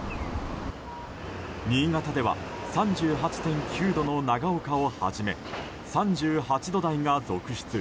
新潟では３８．９度の長岡をはじめ３８度台が続出。